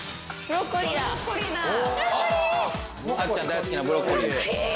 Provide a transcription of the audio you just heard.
ブロッコリー！あっちゃん大好きなブロッコリー。